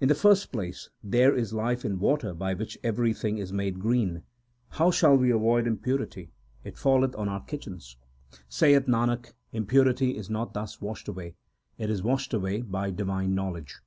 In the first place, there is life in water by which everything is made green. How shall we avoid impurity ? It falleth on our kitchens. Saith Nanak, impurity is not thus washed away : it is washed away by divine knowledge.